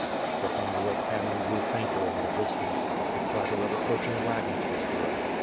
The thunder of cannon grew fainter in the distance, the clatter of approaching wagons was heard.